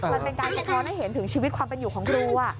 มันเป็นการสะท้อนให้เห็นถึงชีวิตความเป็นอยู่ของครู